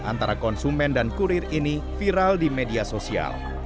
antara konsumen dan kurir ini viral di media sosial